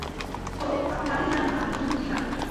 তো, আপনি তাড়াতাড়ি জানান, আপনি প্রস্তুত কি না।